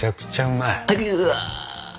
うわ！